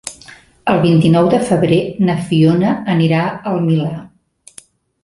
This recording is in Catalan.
El vint-i-nou de febrer na Fiona anirà al Milà.